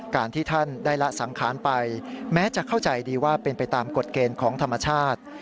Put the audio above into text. การที่ท่านได้ละสังขารไปแม้จะเข้าใจดีว่าเป็นไปตามกฎเกณฑ์ของธรรมชาติ